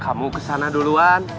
kamu kesana duluan